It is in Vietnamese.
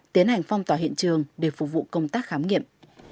tiến hành phong tỏa hiện trường để phục vụ công tác khám nghiệm